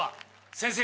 先生！